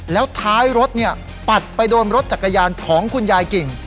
แล้วท้ายรถปัดไปโดนรถจักรยานของคุณยายกิ่ง